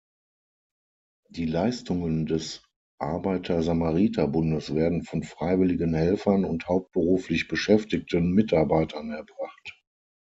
Die Leistungen des Arbeiter-Samariter-Bundes werden von freiwilligen Helfern und hauptberuflich beschäftigten Mitarbeitern erbracht.